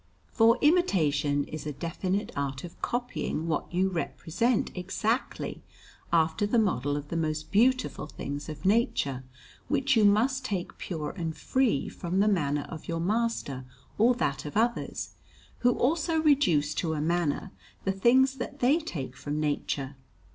For imitation is a definite art of copying what you represent exactly after the model of the most beautiful things of nature, which you must take pure and free from the manner of your master or that of others, who also reduce to a manner the things that they take from nature.